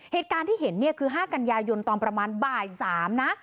เหตุการณ์ที่เห็นเนี่ยคือ๕กันยายนตอนประมาณบ่าย๓นะ